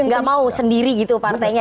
gak mau sendiri gitu partainya